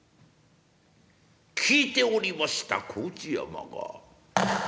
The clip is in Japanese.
聞いておりました河内山が。